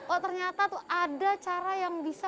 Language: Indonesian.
oh ternyata tuh ada cara yang bisa